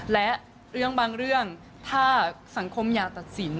และเรื่องบางเรื่องถ้าสังคมอยากตัดสิน